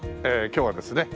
今日はですね